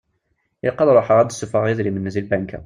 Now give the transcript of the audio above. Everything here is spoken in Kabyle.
Ilaq ad ṛuḥeɣ ad d-suffɣeɣ idrimen di lbanka.